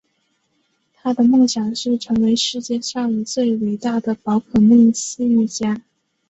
他的梦想是成为世界上最伟大的宝可梦饲育家。